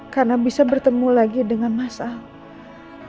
karena bisa bertemu lagi dengan masyarakat